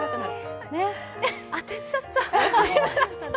当てちゃった。